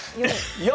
４。